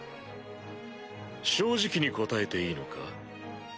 正直に答えていいのか？